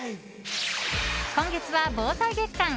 今月は防災月間。